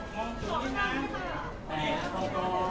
สวัสดีค่ะ